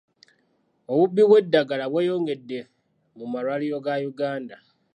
Obubbi bw'eddagala bweyongedde mu malwaliro ga Uganda.